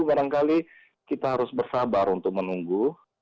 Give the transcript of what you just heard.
kadang kadang kita harus bersabar untuk menunggu